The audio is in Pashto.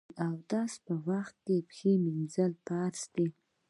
د اودس په وخت کې پښې مینځل فرض دي.